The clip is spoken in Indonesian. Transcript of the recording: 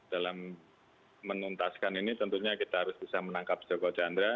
dalam menuntaskan ini tentunya kita harus bisa menangkap joko chandra